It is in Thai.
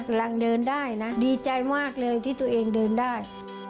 กำลังเดินได้นะดีใจมากเลยที่ตัวเองเดินได้